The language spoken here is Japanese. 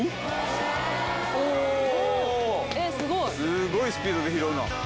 すごいスピードで拾うな。